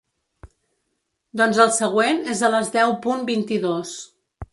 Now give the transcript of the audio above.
Doncs el següent és a les deu punt vint-i-dos.